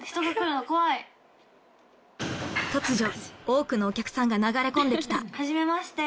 突如多くのお客さんが流れ込んで来たはじめまして。